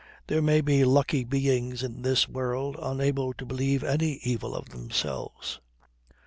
There may be lucky beings in this world unable to believe any evil of themselves.